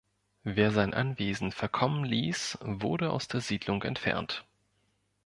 Wer sein Anwesen verkommen ließ, wurde aus der Siedlung entfernt.